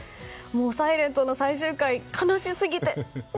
「ｓｉｌｅｎｔ」の最終回悲しすぎて。